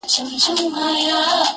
پوړني به د ټول هيواد دربار ته ور وړم